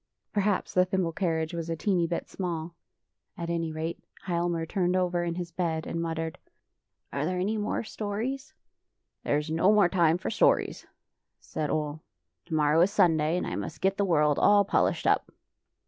Perhaps the thimble carriage was a teeny bit small. At any rate Hialmar turned over in his bed and muttered, " Are there any more stories? "" There is no more time for stories,'' said Ole. " Tomorrow is Sunday, and I must get the world all polished up.